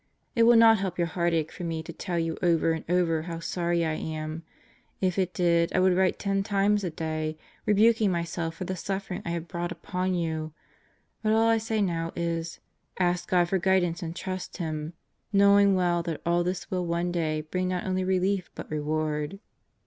It will not help your heartache for me to tell you over and over how sorry I am. If it did, I would write ten times a day, rebuking myself for the suffering I have brought upon you. But all I say now is: Ask God for guidance and trust Him, knowing well that all this will one day bring not only relief but reward."